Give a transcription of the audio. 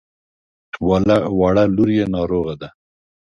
وړه لور يې ناروغه ده.